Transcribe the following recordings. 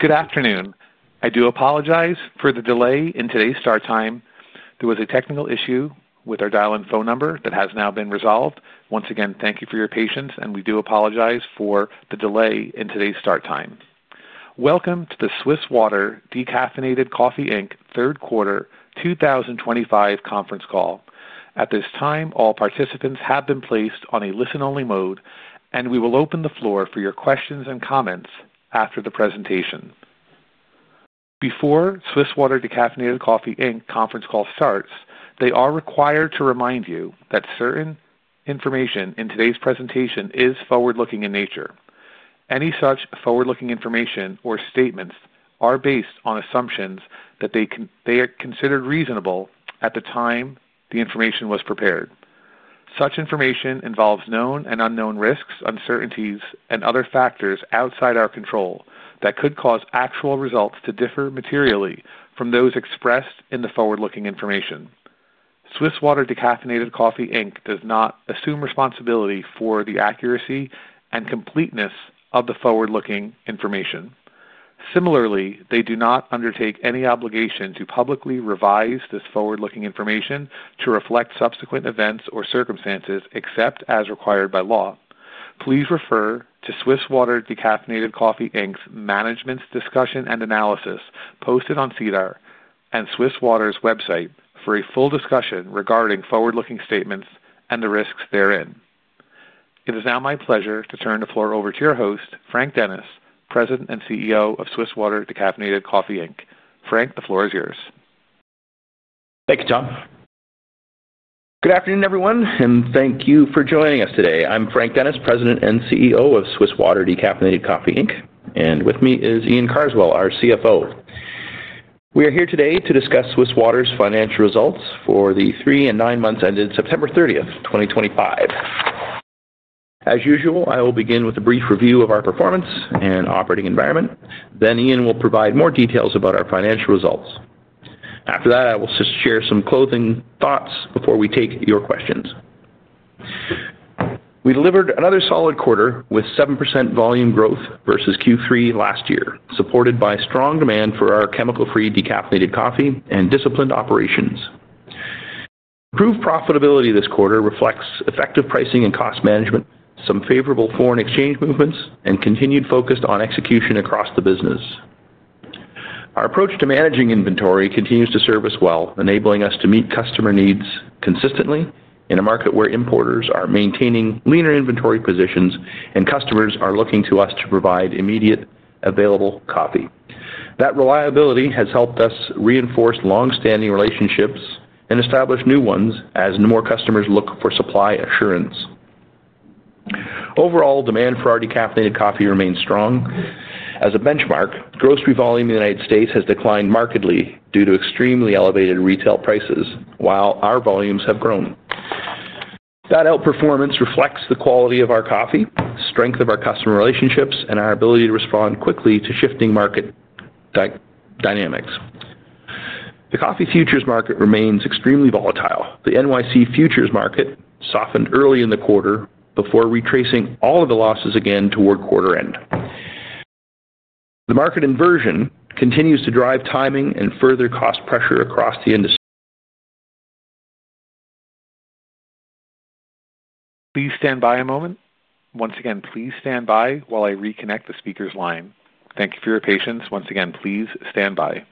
Good afternoon. I do apologize for the delay in today's start time. There was a technical issue with our dial-in phone number that has now been resolved. Once again, thank you for your patience, and we do apologize for the delay in today's start time. Welcome to the Swiss Water Decaffeinated Coffee Third Quarter 2025 Conference Call. At this time, all participants have been placed on a listen-only mode, and we will open the floor for your questions and comments after the presentation. Before Swiss Water Decaffeinated Coffee conference call starts, they are required to remind you that certain information in today's presentation is forward-looking in nature. Any such forward-looking information or statements are based on assumptions that they are considered reasonable at the time the information was prepared. Such information involves known and unknown risks, uncertainties, and other factors outside our control that could cause actual results to differ materially from those expressed in the forward-looking information. Swiss Water Decaffeinated Coffee does not assume responsibility for the accuracy and completeness of the forward-looking information. Similarly, they do not undertake any obligation to publicly revise this forward-looking information to reflect subsequent events or circumstances except as required by law. Please refer to Swiss Water Decaffeinated Coffee's management's discussion and analysis posted on CEDAR and Swiss Water's website for a full discussion regarding forward-looking statements and the risks therein. It is now my pleasure to turn the floor over to your host, Frank Dennis, President and CEO of Swiss Water Decaffeinated Coffee Inc.. Frank, the floor is yours. Thank you, Tom. Good afternoon, everyone, and thank you for joining us today. I'm Frank Dennis, President and CEO of Swiss Water Decaffeinated Coffee Inc., and with me is Iain Carswell, our CFO. We are here today to discuss Swiss Water's financial results for the three and nine months ended September 30, 2025. As usual, I will begin with a brief review of our performance and operating environment. Iain will provide more details about our financial results. After that, I will share some closing thoughts before we take your questions. We delivered another solid quarter with 7% volume growth versus Q3 last year, supported by strong demand for our chemical-free decaffeinated coffee and disciplined operations. Improved profitability this quarter reflects effective pricing and cost management, some favorable foreign exchange movements, and continued focus on execution across the business. Our approach to managing inventory continues to serve us well, enabling us to meet customer needs consistently in a market where importers are maintaining leaner inventory positions and customers are looking to us to provide immediate available coffee. That reliability has helped us reinforce long-standing relationships and establish new ones as more customers look for supply assurance. Overall, demand for our decaffeinated coffee remains strong. As a benchmark, grocery volume in the United States has declined markedly due to extremely elevated retail prices, while our volumes have grown. That outperformance reflects the quality of our coffee, strength of our customer relationships, and our ability to respond quickly to shifting market dynamics. The coffee futures market remains extremely volatile. The NYC futures market softened early in the quarter before retracing all of the losses again toward quarter end. The market inversion continues to drive timing and further cost pressure across the industry. Please stand by a moment. Once again, please stand by while I reconnect the speaker's line. Thank you for your patience. Once again, please stand by.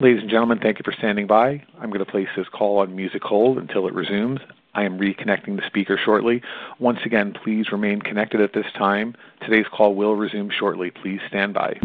Ladies and gentlemen, thank you for standing by. I'm going to place this call on music hold until it resumes. I am reconnecting the speaker shortly. Once again, please remain connected at this time. Today's call will resume shortly. Please stand by.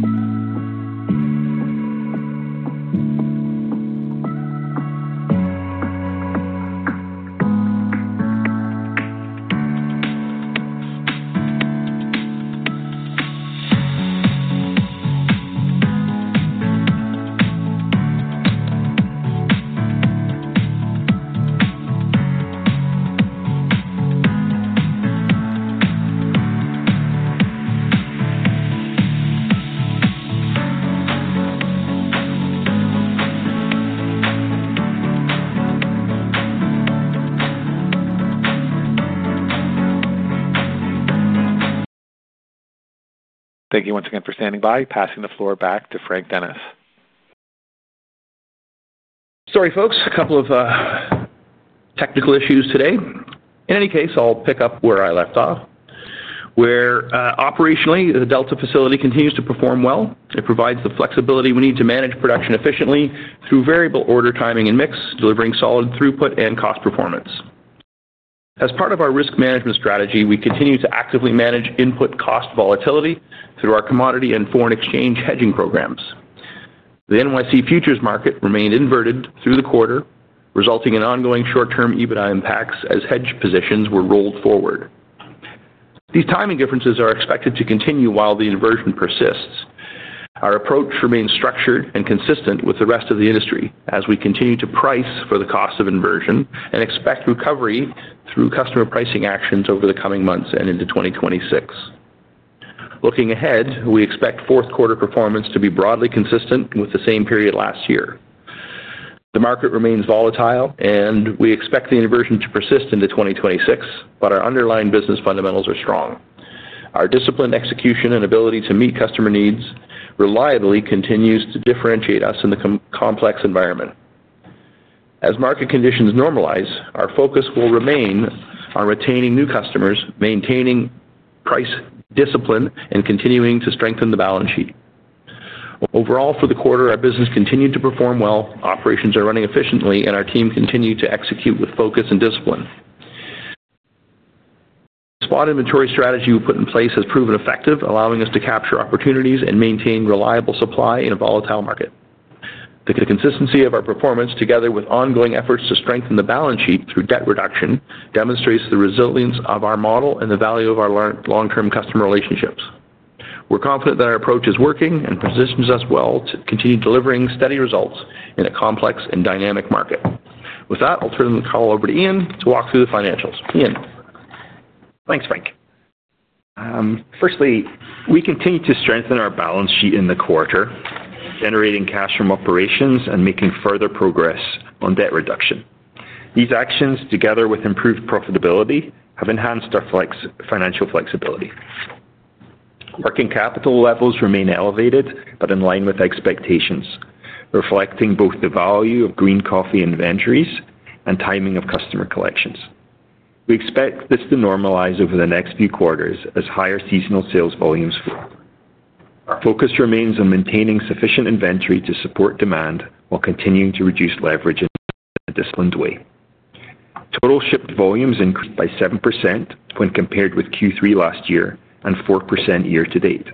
Thank you once again for standing by. Passing the floor back to Frank Dennis. Sorry, folks, a couple of technical issues today. In any case, I'll pick up where I left off, where operationally the Delta facility continues to perform well. It provides the flexibility we need to manage production efficiently through variable order timing and mix, delivering solid throughput and cost performance. As part of our risk management strategy, we continue to actively manage input cost volatility through our commodity and foreign exchange hedging programs. The NYC futures market remained inverted through the quarter, resulting in ongoing short-term EBITDA impacts as hedge positions were rolled forward. These timing differences are expected to continue while the inversion persists. Our approach remains structured and consistent with the rest of the industry as we continue to price for the cost of inversion and expect recovery through customer pricing actions over the coming months and into 2026. Looking ahead, we expect fourth quarter performance to be broadly consistent with the same period last year. The market remains volatile, and we expect the inversion to persist into 2026, but our underlying business fundamentals are strong. Our disciplined execution and ability to meet customer needs reliably continues to differentiate us in the complex environment. As market conditions normalize, our focus will remain on retaining new customers, maintaining price discipline, and continuing to strengthen the balance sheet. Overall, for the quarter, our business continued to perform well. Operations are running efficiently, and our team continued to execute with focus and discipline. The spot inventory strategy we put in place has proven effective, allowing us to capture opportunities and maintain reliable supply in a volatile market. The consistency of our performance, together with ongoing efforts to strengthen the balance sheet through debt reduction, demonstrates the resilience of our model and the value of our long-term customer relationships. We're confident that our approach is working and positions us well to continue delivering steady results in a complex and dynamic market. With that, I'll turn the call over to Iain to walk through the financials. Iain? Thanks, Frank. Firstly, we continue to strengthen our balance sheet in the quarter, generating cash from operations and making further progress on debt reduction. These actions, together with improved profitability, have enhanced our financial flexibility. Working capital levels remain elevated but in line with expectations, reflecting both the value of green coffee inventories and timing of customer collections. We expect this to normalize over the next few quarters as higher seasonal sales volumes fall. Our focus remains on maintaining sufficient inventory to support demand while continuing to reduce leverage in a disciplined way. Total shipped volumes increased by 7% when compared with Q3 last year and 4% year to date.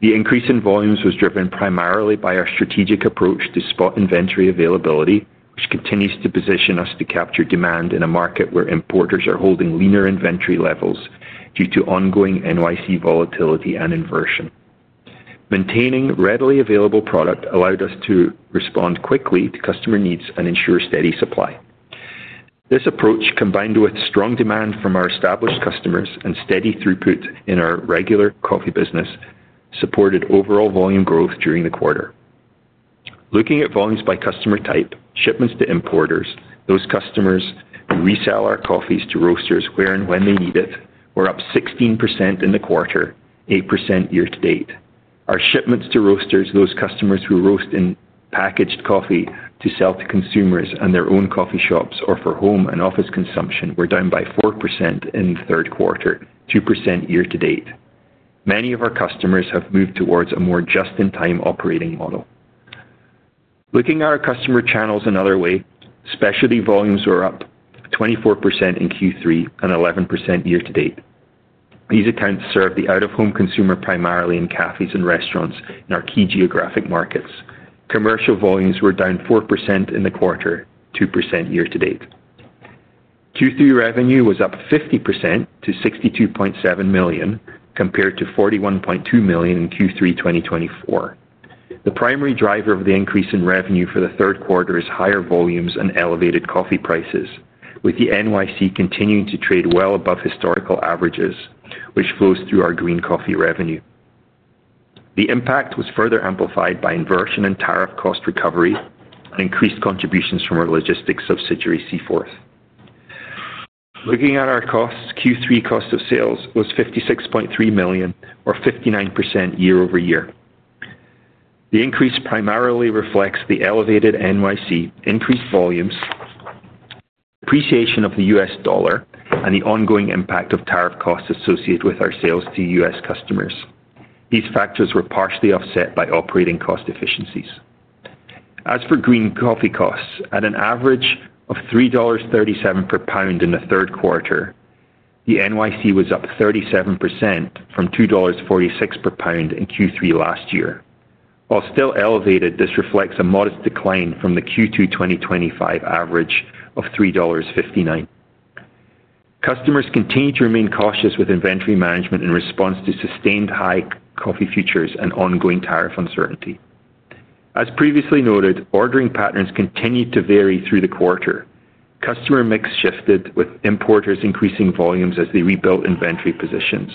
The increase in volumes was driven primarily by our strategic approach to spot inventory availability, which continues to position us to capture demand in a market where importers are holding leaner inventory levels due to ongoing NYC volatility and inversion. Maintaining readily available product allowed us to respond quickly to customer needs and ensure steady supply. This approach, combined with strong demand from our established customers and steady throughput in our regular coffee business, supported overall volume growth during the quarter. Looking at volumes by customer type, shipments to importers, those customers who resell our coffees to roasters where and when they need it, were up 16% in the quarter, 8% year to date. Our shipments to roasters, those customers who roast and package coffee to sell to consumers and their own coffee shops or for home and office consumption, were down by 4% in the third quarter, 2% year to date. Many of our customers have moved towards a more just-in-time operating model. Looking at our customer channels another way, specialty volumes were up 24% in Q3 and 11% year to date. These accounts serve the out-of-home consumer primarily in cafes and restaurants in our key geographic markets. Commercial volumes were down 4% in the quarter, 2% year to date. Q3 revenue was up 50% to 62.7 million compared to 41.2 million in Q3 2024. The primary driver of the increase in revenue for the third quarter is higher volumes and elevated coffee prices, with the NYC continuing to trade well above historical averages, which flows through our green coffee revenue. The impact was further amplified by inversion and tariff cost recovery and increased contributions from our logistics subsidiary, Seaforth. Looking at our costs, Q3 cost of sales was 56.3 million or 59% year over year. The increase primarily reflects the elevated NYC, increased volumes, depreciation of the US dollar, and the ongoing impact of tariff costs associated with our sales to US customers. These factors were partially offset by operating cost efficiencies. As for green coffee costs, at an average of $3.37 per pound in the third quarter, the NYC was up 37% from $2.46 per pound in Q3 last year. While still elevated, this reflects a modest decline from the Q2 2025 average of $3.59. Customers continue to remain cautious with inventory management in response to sustained high coffee futures and ongoing tariff uncertainty. As previously noted, ordering patterns continued to vary through the quarter. Customer mix shifted with importers increasing volumes as they rebuilt inventory positions,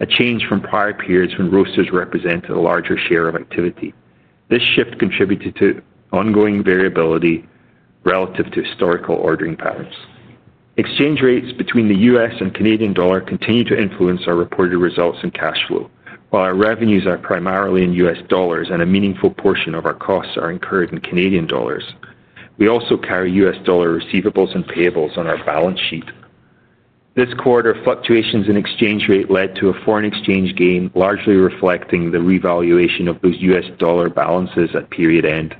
a change from prior periods when roasters represented a larger share of activity. This shift contributed to ongoing variability relative to historical ordering patterns. Exchange rates between the U.S. and Canadian dollar continue to influence our reported results in cash flow, while our revenues are primarily in U.S. dollars and a meaningful portion of our costs are incurred in Canadian dollars. We also carry U.S. dollar receivables and payables on our balance sheet. This quarter, fluctuations in exchange rate led to a foreign exchange gain, largely reflecting the revaluation of those U.S. dollar balances at period end.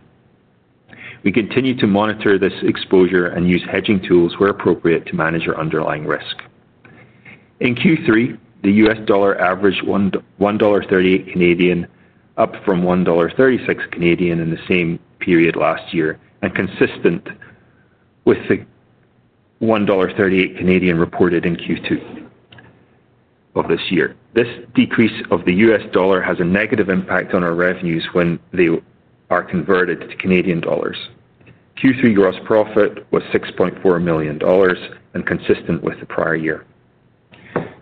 We continue to monitor this exposure and use hedging tools where appropriate to manage our underlying risk. In Q3, the U.S. dollar averaged 1.38 Canadian dollars, up from 1.36 Canadian dollars in the same period last year and consistent with the 1.38 Canadian dollars reported in Q2 of this year. This decrease of the U.S. dollar has a negative impact on our revenues when they are converted to Canadian dollars. Q3 gross profit was $6.4 million and consistent with the prior year.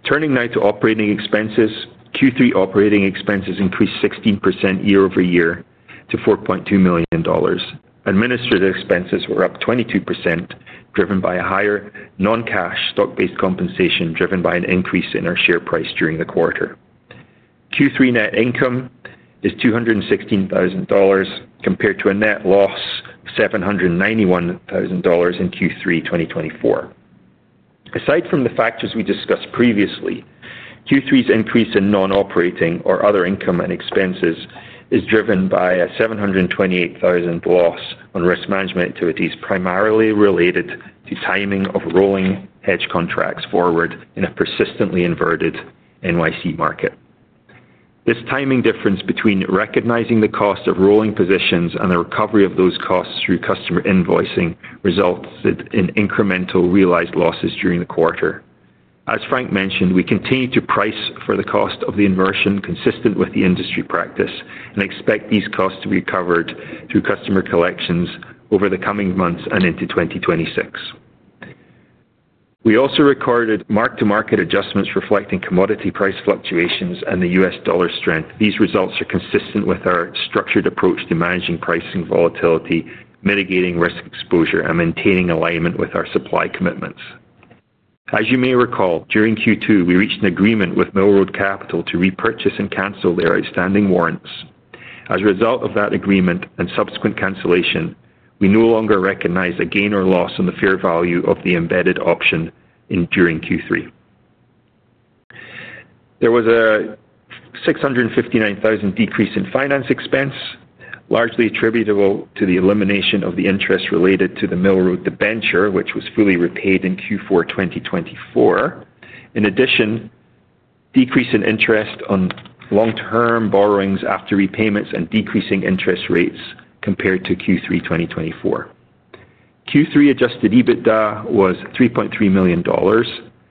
Turning now to operating expenses, Q3 operating expenses increased 16% year over year to $4.2 million. Administrative expenses were up 22%, driven by a higher non-cash stock-based compensation driven by an increase in our share price during the quarter. Q3 net income is $216,000 compared to a net loss of $791,000 in Q3 2024. Aside from the factors we discussed previously, Q3's increase in non-operating or other income and expenses is driven by a $728,000 loss on risk management activities primarily related to timing of rolling hedge contracts forward in a persistently inverted NYC market. This timing difference between recognizing the cost of rolling positions and the recovery of those costs through customer invoicing resulted in incremental realized losses during the quarter. As Frank mentioned, we continue to price for the cost of the inversion consistent with the industry practice and expect these costs to be recovered through customer collections over the coming months and into 2026. We also recorded mark-to-market adjustments reflecting commodity price fluctuations and the US dollar strength. These results are consistent with our structured approach to managing pricing volatility, mitigating risk exposure, and maintaining alignment with our supply commitments. As you may recall, during Q2, we reached an agreement with Mill Rock Capital to repurchase and cancel their outstanding warrants. As a result of that agreement and subsequent cancellation, we no longer recognize a gain or loss in the fair value of the embedded option during Q3. There was a $659,000 decrease in finance expense, largely attributable to the elimination of the interest related to the Mill Rock Debenture, which was fully repaid in Q4 2024. In addition, decrease in interest on long-term borrowings after repayments and decreasing interest rates compared to Q3 2024. Q3 adjusted EBITDA was $3.3 million,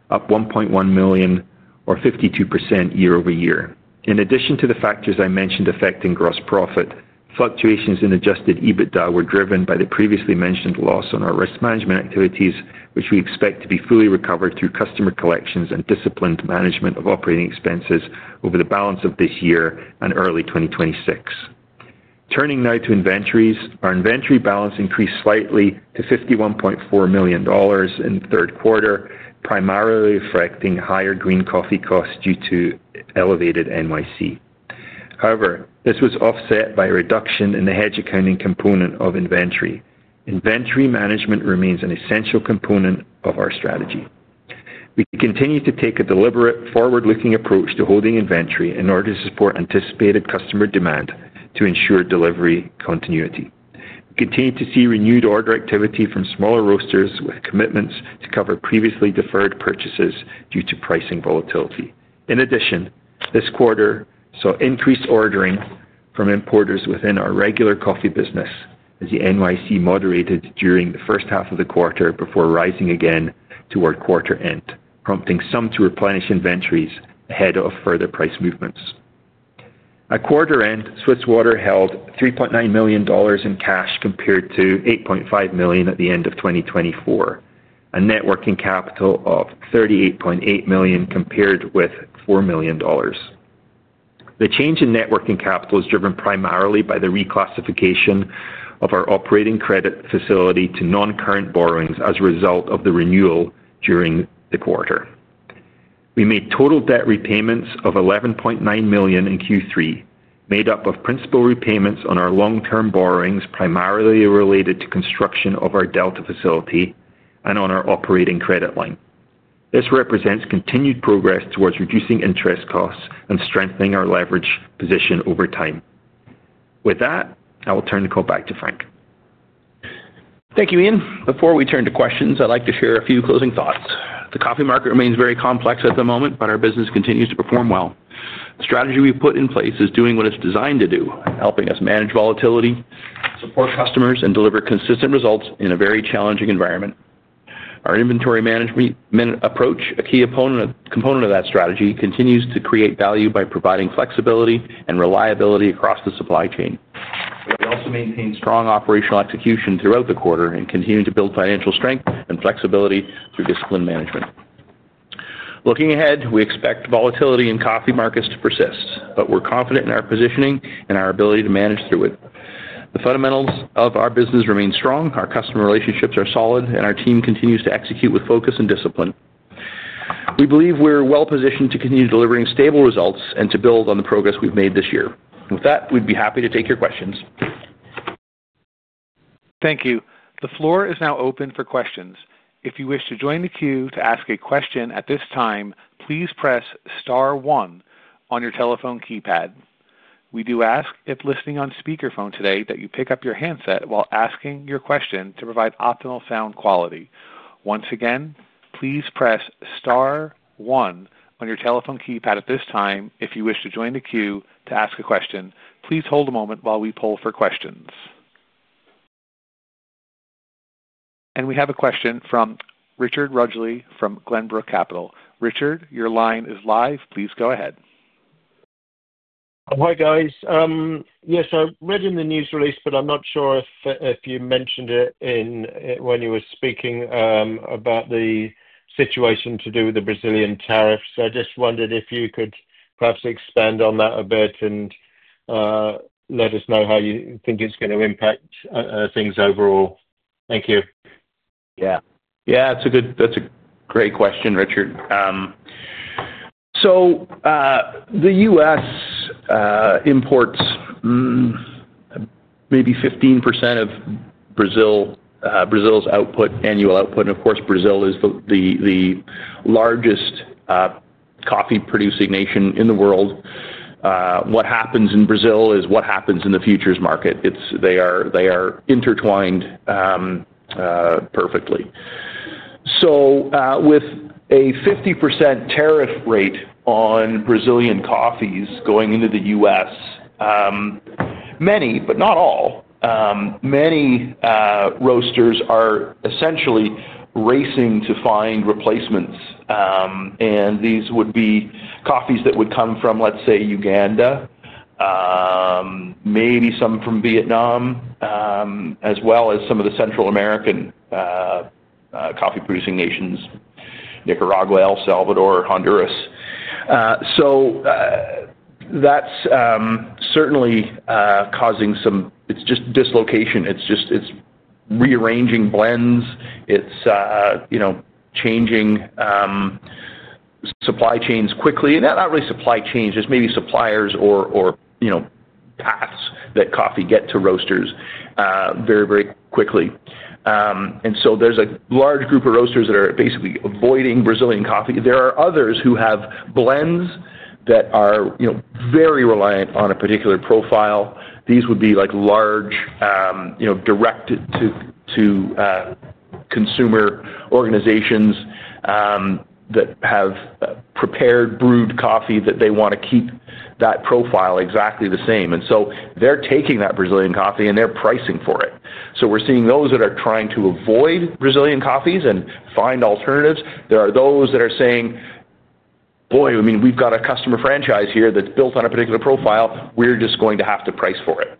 up $1.1 million or 52% year over year. In addition to the factors I mentioned affecting gross profit, fluctuations in adjusted EBITDA were driven by the previously mentioned loss on our risk management activities, which we expect to be fully recovered through customer collections and disciplined management of operating expenses over the balance of this year and early 2026. Turning now to inventories, our inventory balance increased slightly to $51.4 million in the third quarter, primarily affecting higher green coffee costs due to elevated NYC. However, this was offset by a reduction in the hedge accounting component of inventory. Inventory management remains an essential component of our strategy. We continue to take a deliberate forward-looking approach to holding inventory in order to support anticipated customer demand to ensure delivery continuity. We continue to see renewed order activity from smaller roasters with commitments to cover previously deferred purchases due to pricing volatility. In addition, this quarter saw increased ordering from importers within our regular coffee business as the NYC moderated during the first half of the quarter before rising again toward quarter end, prompting some to replenish inventories ahead of further price movements. At quarter end, Swiss Water held $3.9 million in cash compared to $8.5 million at the end of 2024, a net working capital of $38.8 million compared with $4 million. The change in net working capital is driven primarily by the reclassification of our operating credit facility to non-current borrowings as a result of the renewal during the quarter. We made total debt repayments of $11.9 million in Q3, made up of principal repayments on our long-term borrowings primarily related to construction of our Delta facility and on our operating credit line. This represents continued progress towards reducing interest costs and strengthening our leverage position over time. With that, I will turn the call back to Frank. Thank you, Iain. Before we turn to questions, I'd like to share a few closing thoughts. The coffee market remains very complex at the moment, but our business continues to perform well. The strategy we've put in place is doing what it's designed to do, helping us manage volatility, support customers, and deliver consistent results in a very challenging environment. Our inventory management approach, a key component of that strategy, continues to create value by providing flexibility and reliability across the supply chain. We also maintain strong operational execution throughout the quarter and continue to build financial strength and flexibility through disciplined management. Looking ahead, we expect volatility in coffee markets to persist, but we're confident in our positioning and our ability to manage through it. The fundamentals of our business remain strong, our customer relationships are solid, and our team continues to execute with focus and discipline. We believe we're well positioned to continue delivering stable results and to build on the progress we've made this year. With that, we'd be happy to take your questions. Thank you. The floor is now open for questions. If you wish to join the queue to ask a question at this time, please press star one on your telephone keypad. We do ask, if listening on speakerphone today, that you pick up your handset while asking your question to provide optimal sound quality. Once again, please press star one on your telephone keypad at this time. If you wish to join the queue to ask a question, please hold a moment while we pull for questions. We have a question from Richard Rudgley from Glenbrook Capital. Richard, your line is live. Please go ahead. Hi guys. Yes, I read in the news release, but I'm not sure if you mentioned it when you were speaking about the situation to do with the Brazilian tariffs. I just wondered if you could perhaps expand on that a bit and let us know how you think it's going to impact things overall. Thank you. Yeah. Yeah, that's a great question, Richard. The U.S. imports maybe 15% of Brazil's output, annual output. Of course, Brazil is the largest coffee-producing nation in the world. What happens in Brazil is what happens in the futures market. They are intertwined perfectly. With a 50% tariff rate on Brazilian coffees going into the U.S., many, but not all, many roasters are essentially racing to find replacements. These would be coffees that would come from, let's say, Uganda, maybe some from Vietnam, as well as some of the Central American coffee-producing nations: Nicaragua, El Salvador, Honduras. That's certainly causing some—it's just dislocation. It's rearranging blends. It's changing supply chains quickly. Not really supply chains, just maybe suppliers or paths that coffee gets to roasters very, very quickly. There is a large group of roasters that are basically avoiding Brazilian coffee. There are others who have blends that are very reliant on a particular profile. These would be large direct-to-consumer organizations that have prepared brewed coffee that they want to keep that profile exactly the same. They are taking that Brazilian coffee and they are pricing for it. We are seeing those that are trying to avoid Brazilian coffees and find alternatives. There are those that are saying, "Boy, I mean, we have got a customer franchise here that is built on a particular profile. We are just going to have to price for it."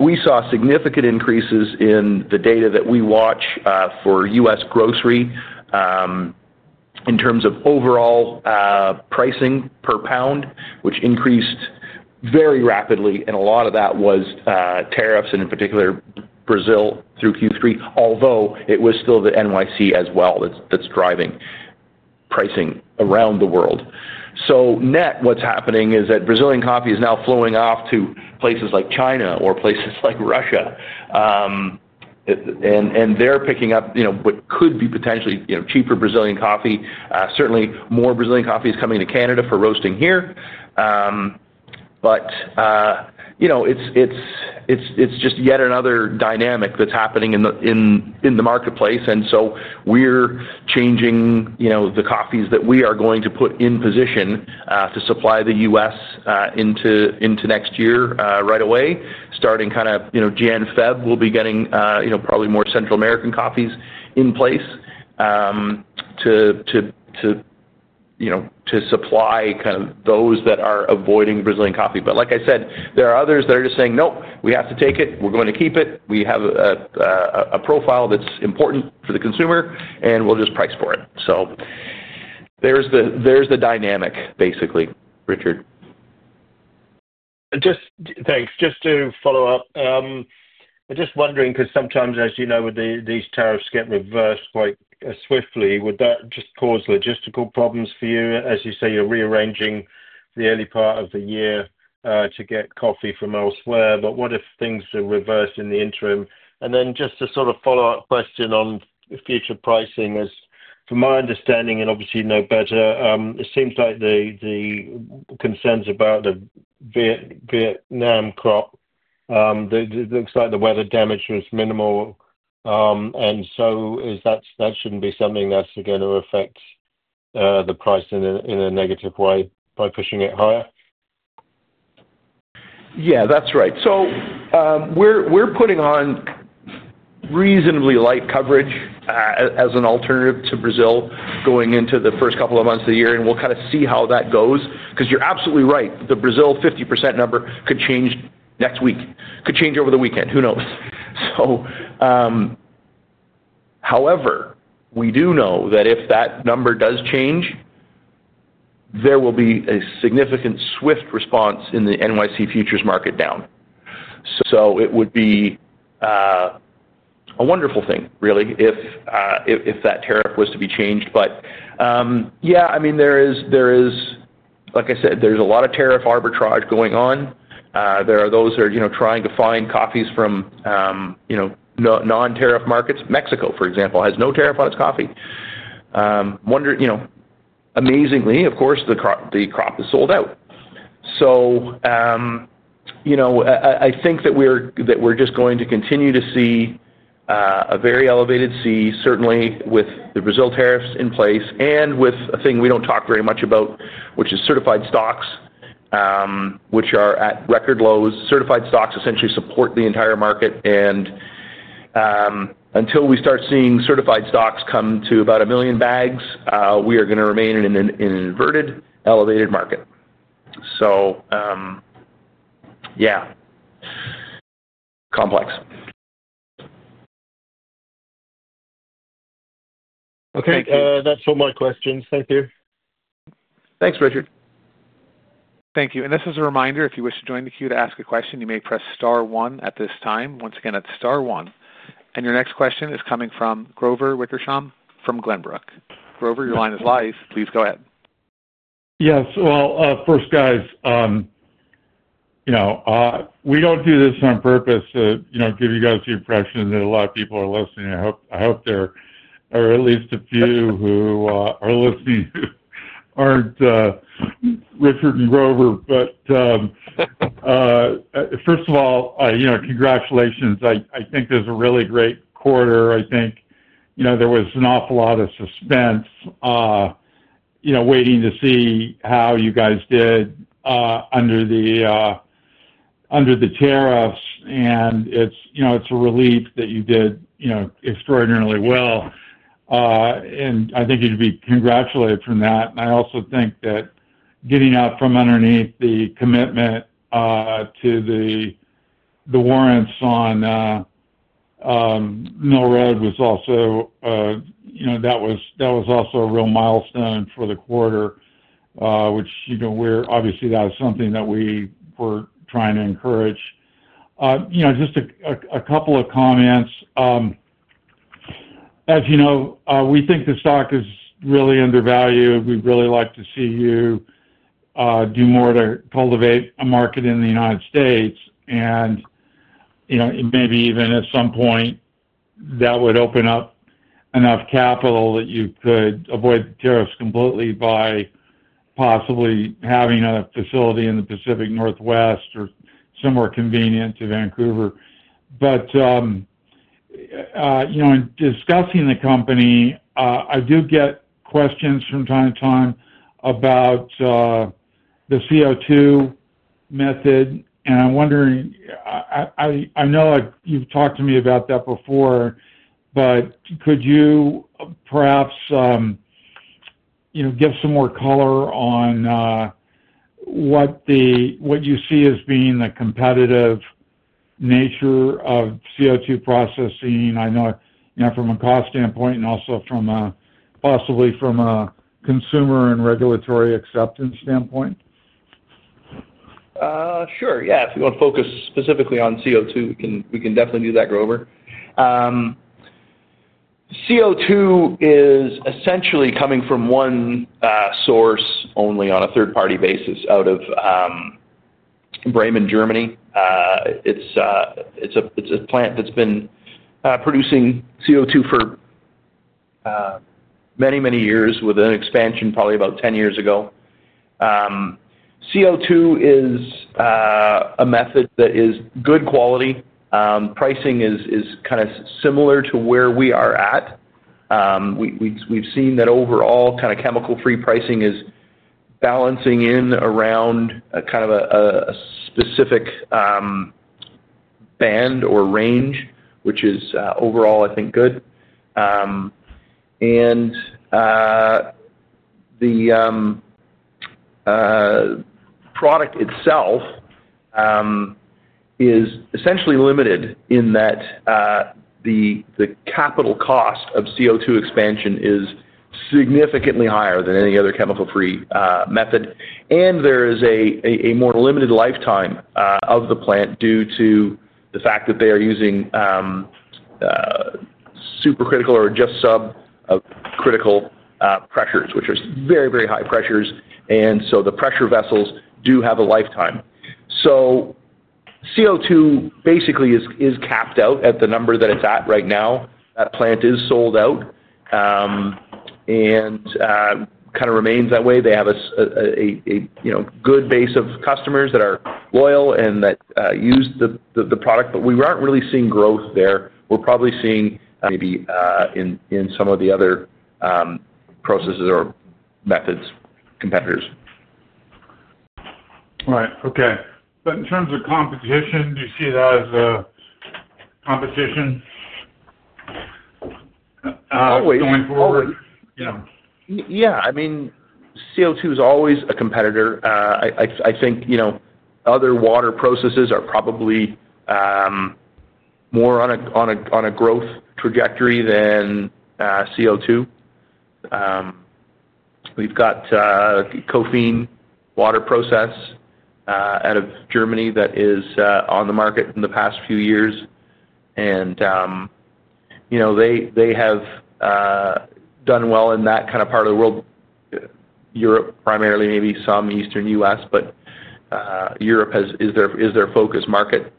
We saw significant increases in the data that we watch for US grocery in terms of overall pricing per pound, which increased very rapidly. A lot of that was tariffs and, in particular, Brazil through Q3, although it was still the NYC as well that is driving pricing around the world. Net, what's happening is that Brazilian coffee is now flowing off to places like China or places like Russia. They're picking up what could be potentially cheaper Brazilian coffee. Certainly, more Brazilian coffee is coming to Canada for roasting here. It's just yet another dynamic that's happening in the marketplace. We're changing the coffees that we are going to put in position to supply the US into next year right away. Starting kind of January-February, we'll be getting probably more Central American coffees in place to supply kind of those that are avoiding Brazilian coffee. Like I said, there are others that are just saying, "Nope, we have to take it. We're going to keep it. We have a profile that's important for the consumer, and we'll just price for it." There's the dynamic, basically, Richard. Thanks. Just to follow up, I'm just wondering because sometimes, as you know, these tariffs get reversed quite swiftly. Would that just cause logistical problems for you as you say you're rearranging the early part of the year to get coffee from elsewhere? What if things are reversed in the interim? And then just a sort of follow-up question on future pricing. From my understanding, and obviously you know better, it seems like the concerns about the Vietnam crop, it looks like the weather damage was minimal. That shouldn't be something that's going to affect the price in a negative way by pushing it higher. Yeah, that's right. We're putting on reasonably light coverage as an alternative to Brazil going into the first couple of months of the year. We'll kind of see how that goes because you're absolutely right. The Brazil 50% number could change next week, could change over the weekend, who knows? However, we do know that if that number does change, there will be a significant swift response in the NYC futures market down. It would be a wonderful thing, really, if that tariff was to be changed. Yeah, I mean, there is, like I said, a lot of tariff arbitrage going on. There are those that are trying to find coffees from non-tariff markets. Mexico, for example, has no tariff on its coffee. Amazingly, of course, the crop is sold out. I think that we're just going to continue to see a very elevated C, certainly with the Brazil tariffs in place and with a thing we do not talk very much about, which is certified stocks, which are at record lows. Certified stocks essentially support the entire market. Until we start seeing certified stocks come to about 1 million bags, we are going to remain in an inverted elevated market. Yeah, complex. Okay. That's all my questions. Thank you. Thanks, Richard. Thank you. This is a reminder, if you wish to join the queue to ask a question, you may press star one at this time. Once again, it is star one. Your next question is coming from Grover Wickersham from Glenbrook. Grover, your line is live. Please go ahead. Yes. First, guys, we do not do this on purpose to give you guys the impression that a lot of people are listening. I hope there are at least a few who are listening who are not Richard and Grover. First of all, congratulations. I think this is a really great quarter. I think there was an awful lot of suspense waiting to see how you guys did under the tariffs. It is a relief that you did extraordinarily well. I think you should be congratulated for that. I also think that getting up from underneath the commitment to the warrants on Mill Rock was also a real milestone for the quarter, which obviously is something that we were trying to encourage. Just a couple of comments. As you know, we think the stock is really undervalued. We'd really like to see you do more to cultivate a market in the United States. Maybe even at some point, that would open up enough capital that you could avoid the tariffs completely by possibly having a facility in the Pacific Northwest or somewhere convenient to Vancouver. In discussing the company, I do get questions from time to time about the CO2 method. I'm wondering, I know you've talked to me about that before, but could you perhaps give some more color on what you see as being the competitive nature of CO2 processing, I know from a cost standpoint and also possibly from a consumer and regulatory acceptance standpoint? Sure. Yeah. If you want to focus specifically on CO2, we can definitely do that, Grover. CO2 is essentially coming from one source only on a third-party basis out of Bremen, Germany. It's a plant that's been producing CO2 for many, many years with an expansion probably about 10 years ago. CO2 is a method that is good quality. Pricing is kind of similar to where we are at. We've seen that overall kind of chemical-free pricing is balancing in around kind of a specific band or range, which is overall, I think, good. The product itself is essentially limited in that the capital cost of CO2 expansion is significantly higher than any other chemical-free method. There is a more limited lifetime of the plant due to the fact that they are using supercritical or just subcritical pressures, which are very, very high pressures. The pressure vessels do have a lifetime. CO2 basically is capped out at the number that it is at right now. That plant is sold out and kind of remains that way. They have a good base of customers that are loyal and that use the product. We are not really seeing growth there. We are probably seeing maybe in some of the other processes or methods, competitors. Right. Okay. In terms of competition, do you see that as a competition going forward? Yeah. I mean, CO2 is always a competitor. I think other water processes are probably more on a growth trajectory than CO2. We've got a caffeine water process out of Germany that is on the market in the past few years. They have done well in that kind of part of the world, Europe primarily, maybe some Eastern U.S., but Europe is their focus market.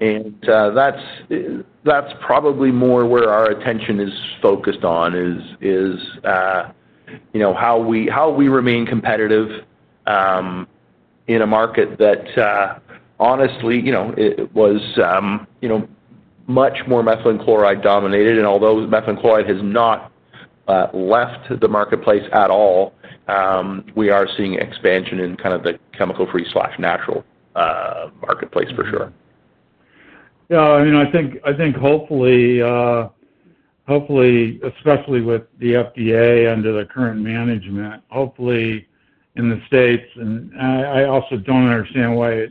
That is probably more where our attention is focused on, is how we remain competitive in a market that honestly was much more methylene chloride dominated. Although methylene chloride has not left the marketplace at all, we are seeing expansion in kind of the chemical-free/natural marketplace for sure. Yeah. I mean, I think hopefully, especially with the FDA under the current management, hopefully in the States. I also do not understand why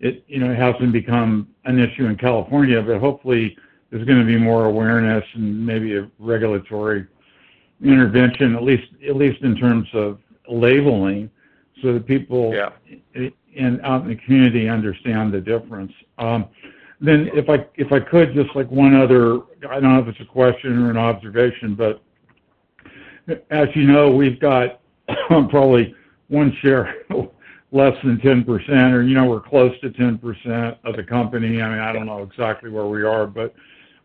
it has not become an issue in California, but hopefully there is going to be more awareness and maybe a regulatory intervention, at least in terms of labeling so that people out in the community understand the difference. If I could, just one other—I do not know if it is a question or an observation, but as you know, we have got probably one share less than 10%, or we are close to 10% of the company. I mean, I do not know exactly where we are, but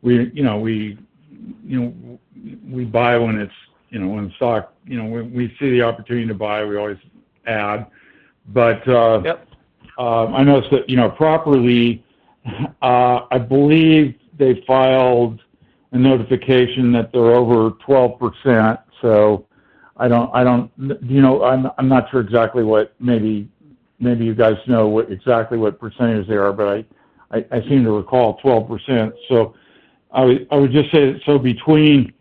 we buy when the stock—we see the opportunity to buy, we always add. I noticed that Properly, I believe they filed a notification that they are over 12%. I do not—I'm not sure exactly what, maybe you guys know exactly what percentage they are, but I seem to recall 12%. I would just say that between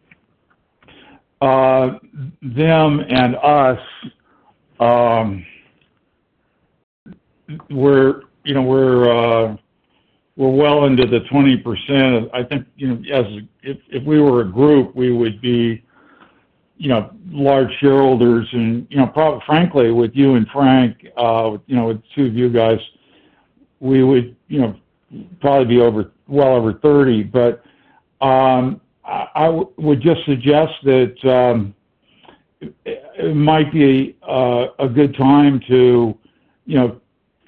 them and us, we're well into the 20%. I think if we were a group, we would be large shareholders. Frankly, with you and Frank, with two of you guys, we would probably be well over 30%. I would just suggest that it might be a good time to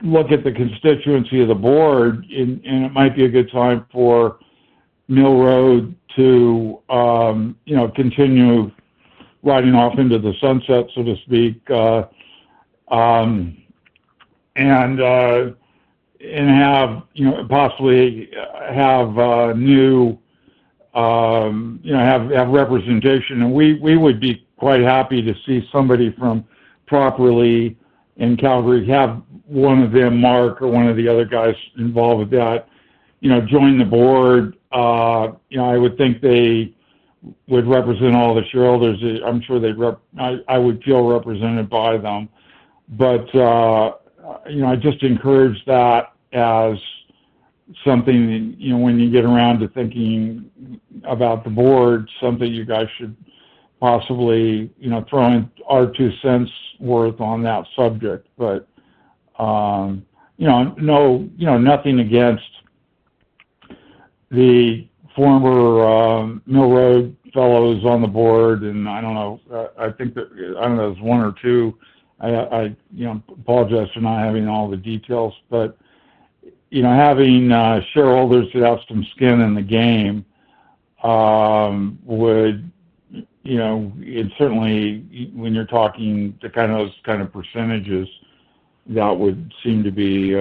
look at the constituency of the board. It might be a good time for Mill Rock to continue riding off into the sunset, so to speak, and possibly have new—have representation. We would be quite happy to see somebody from Properly in Calgary, have one of them, Mark, or one of the other guys involved with that, join the board. I would think they would represent all the shareholders. I'm sure they'd—I would feel represented by them. I just encourage that as something when you get around to thinking about the board, something you guys should possibly throw in our two cents' worth on that subject. No, nothing against the former Mill Rock fellows on the board. I don't know. I think there's one or two. I apologize for not having all the details. Having shareholders that have some skin in the game would certainly, when you're talking to those kind of percentages, that would seem to be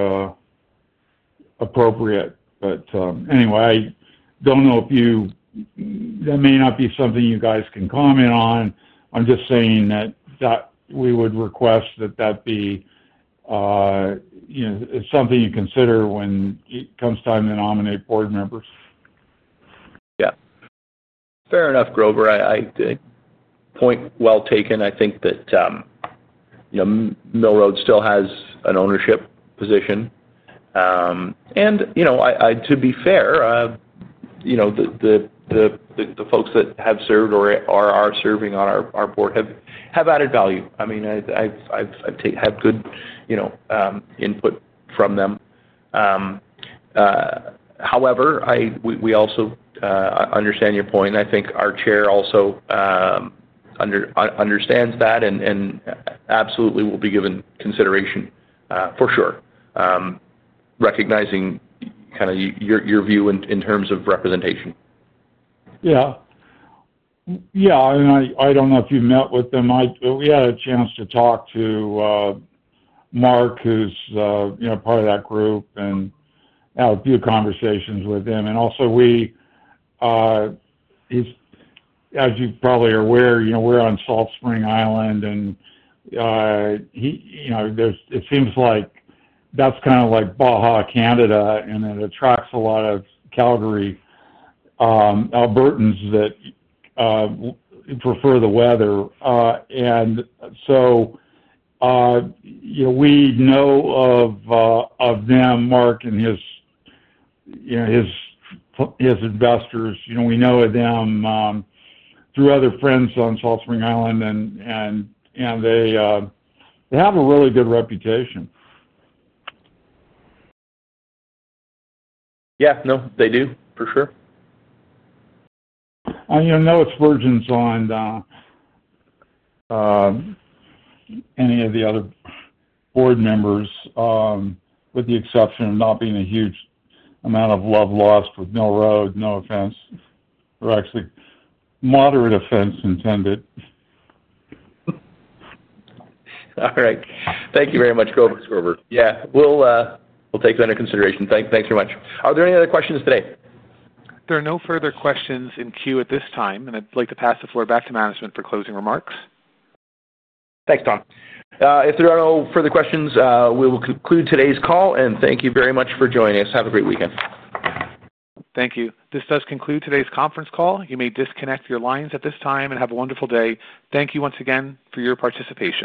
appropriate. Anyway, I don't know if you—that may not be something you guys can comment on. I'm just saying that we would request that that be something you consider when it comes time to nominate board members. Yeah. Fair enough, Grover. Point well taken. I think that Mill Rock still has an ownership position. And to be fair, the folks that have served or are serving on our board have added value. I mean, I've had good input from them. However, we also understand your point. I think our chair also understands that and absolutely will be given consideration for sure, recognizing kind of your view in terms of representation. Yeah. Yeah. I mean, I do not know if you have met with them. We had a chance to talk to Mark, who is part of that group, and had a few conversations with him. Also, as you probably are aware, we are on Salt Spring Island. It seems like that is kind of like Baja, Canada, and it attracts a lot of Calgary Albertans that prefer the weather. We know of them, Mark and his investors. We know of them through other friends on Salt Spring Island, and they have a really good reputation. Yeah. No, they do for sure. I know it's vergence on any of the other board members, with the exception of not being a huge amount of love lost with Mill Rock. No offense. We're actually moderate offense intended. All right. Thank you very much, Grover. Yeah. We'll take that into consideration. Thanks very much. Are there any other questions today? There are no further questions in queue at this time. I would like to pass the floor back to management for closing remarks. Thanks, Tom. If there are no further questions, we will conclude today's call. Thank you very much for joining us. Have a great weekend. Thank you. This does conclude today's conference call. You may disconnect your lines at this time and have a wonderful day. Thank you once again for your participation.